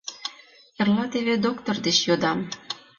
— Эрла теве доктор деч йодам.